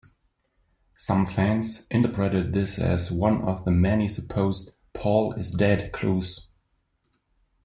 Some fans interpreted this as one of the many supposed "Paul is dead" clues.